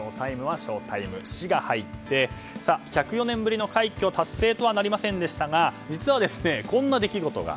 ＳＨＯＴＩＭＥの「シ」が入って１０４年ぶりの快挙達成とはなりませんでしたが実は、こんな出来事が。